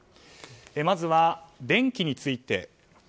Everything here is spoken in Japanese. まずは、電気について。